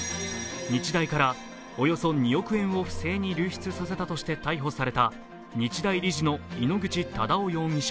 日大からおよそ２億円を不正に流出させたとして逮捕された日大理事の井ノ口忠男容疑者。